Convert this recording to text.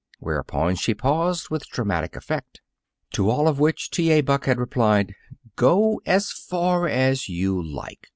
Whereupon she paused with dramatic effect. To all of which T. A. Buck had replied: "Go as far as you like.